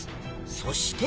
そして